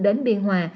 đến biên hòa